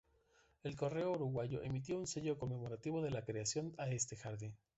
El Correo uruguayo emitió un sello conmemorativo de la creación de este jardín.